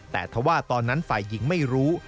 แต่ถ้าว่าตอนนั้นฝ่ายหญิงไม่รู้